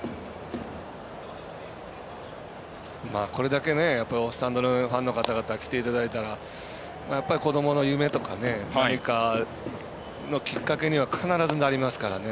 これだけスタンドのファンの方々来ていただいたらやっぱり子どもの夢とか何かのきっかけには必ずなりますからね。